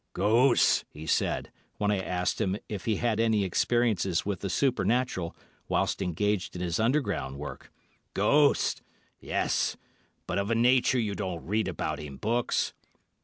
"Ghosts," he said, when I asked him if he had any experiences with the supernatural whilst engaged in his underground work. "Ghosts! Yes, but of a nature you don't read about in books.